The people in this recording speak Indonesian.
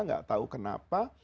gak tau kenapa